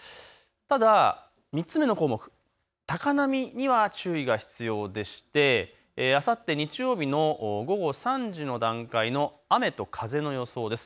ただ３つ目の項目、高波には注意が必要でして、あさって日曜日の午後３時の段階の雨と風の予想です。